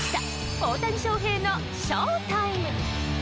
大谷翔平のショータイム。